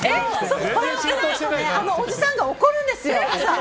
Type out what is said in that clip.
おじさんが怒るんですよ。